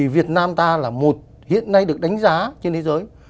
việt nam hiện nay được đánh giá trên thế giới